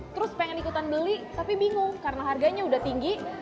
terus pengen ikutan beli tapi bingung karena harganya udah tinggi